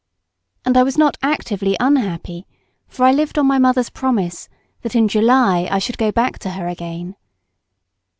And I was not actively unhappy, for I lived on my mother's promise that in July I should go back to her again.